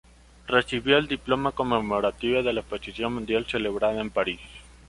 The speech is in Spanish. Recibió el Diploma Conmemorativo de la Exposición Mundial celebrada en París.